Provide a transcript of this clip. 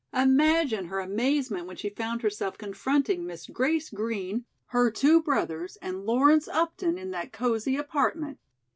Imagine her amazement when she found herself confronting Miss Grace Green, her two brothers and Lawrence Upton in that cozy apartment!